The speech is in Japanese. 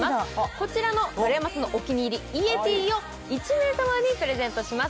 こちらの丸山さんのお気に入り、イエティを１名様にプレゼントします。